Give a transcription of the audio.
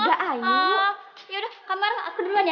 yaudah kak marel aku duluan ya